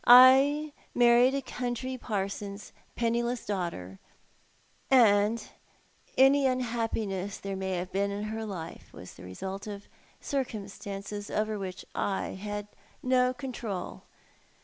I married a country parson's penniless daughter; and any unhappiness there may have been, in her life was the result of circumstances over which I had no control.